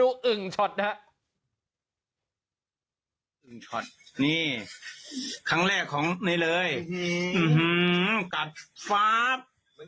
อื้อฮือตัดฟ้าบ